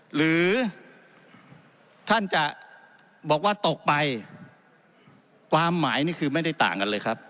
หรือท่านจะบอกว่าตกไปความหมายนี่คือไม่ได้ต่างกันเลยครับ